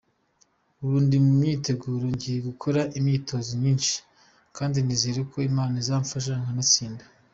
Ubu ndi mu myiteguro ngiye gukora imyitozi myinshi kandi nizeye ko Imana izamfasha nkanatsinda.